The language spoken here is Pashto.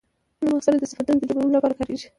نوم اکثره د صفتونو د جوړولو له پاره کاریږي.